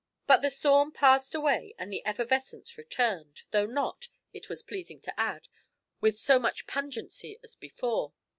But the storm passed away and the effervescence returned though not, it is pleasing to add, with so much pungency as before.